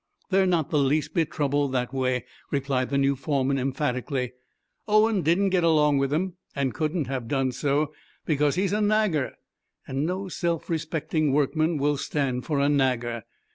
"They're not the least bit troubled that way," replied the new foreman emphatically. "Owen didn't get along with them, and couldn't have done so, because he's a nagger, and no self respecting workman will stand for a nagger.